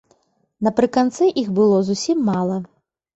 Напрыканцы іх было зусім мала.